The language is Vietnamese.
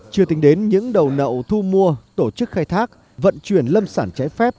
chưa tính đến những đầu nậu thu mua tổ chức khai thác vận chuyển lâm sản trái phép